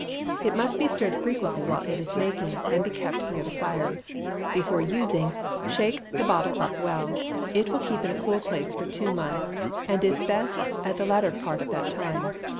It must be stirred frequently while it is making, and kept near the fire. Before using, shake the bottle up well. It will keep in a cool place for two months, and is best at the latter part of the time.